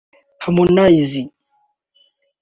Harmonize